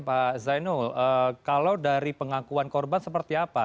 pak zainul kalau dari pengakuan korban seperti apa